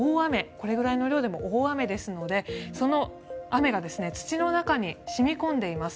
これぐらいの量でも大雨ですので、その雨が土の中に染み込んでいます。